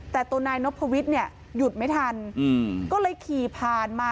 แต่ตัวนายนพวิทย์เนี่ยหยุดไม่ทันก็เลยขี่ผ่านมา